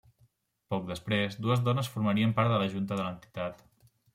Poc després, dues dones formarien part de la Junta de l'entitat.